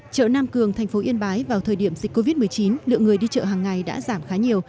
chợ nam cường thành phố yên bái vào thời điểm dịch covid một mươi chín lượng người đi chợ hàng ngày đã giảm khá nhiều